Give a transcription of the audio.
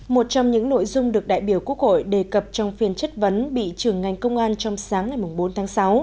một trong những nội dung được đại biểu quốc hội đề cập trong phiên chất vấn bị trưởng ngành công an trong sáng ngày bốn tháng sáu